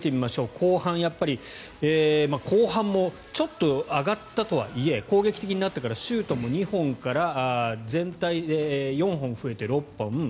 後半後半もちょっと上がったとはいえ攻撃的になったからシュートも２本から全体で４本増えて６本。